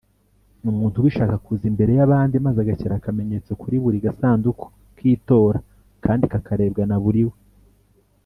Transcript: umuntu ubishaka kuza imbere y’abandi maze agashyira akamenyetso kuri buri gasanduku k’itora kandi kakarebwa na buriwe.